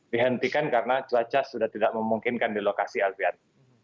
dihentikan karena cuaca sudah tidak memungkinkan di lokasi alfian